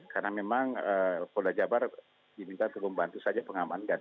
karena memang polda jawa barat diminta untuk membantu saja pengamanan